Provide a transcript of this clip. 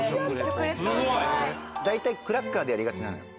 すごい！大体クラッカーでやりがちなのよ。